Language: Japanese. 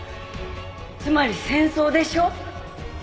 つまり戦争でしょ？